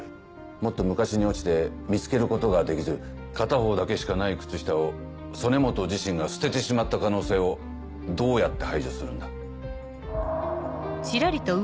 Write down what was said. もっと昔に落ちて見つけることができず片方だけしかない靴下を曽根本自身が捨ててしまった可能性をどうやって排除するんだ？